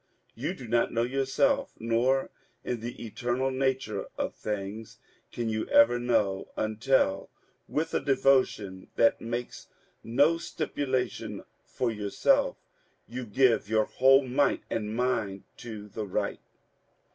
You do not know yourself, nor in the eternal nature of things can you ever know until, with a devotion that makes no stipula tion for yourself, you give your whole might and mind to the right.